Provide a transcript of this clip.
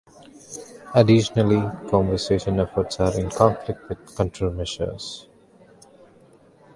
Additionally, conservation efforts are in conflict with control measures.